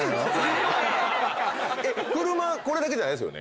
車これだけじゃないですよね？